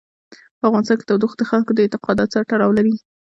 په افغانستان کې تودوخه د خلکو د اعتقاداتو سره تړاو لري.